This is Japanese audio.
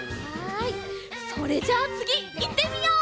はいそれじゃあつぎいってみよう！